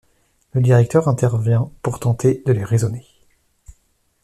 Le directeur intervient pour tenter de les raisonner.